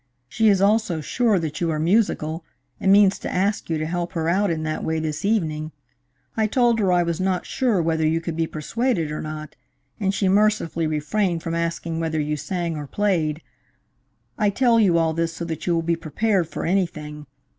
She is also sure that you are musical, and means to ask you to help her out in that way this evening. I told her I was not sure whether you could be persuaded or not, and she mercifully refrained from asking whether you sang or played. I tell you all this so that you will be prepared for anything.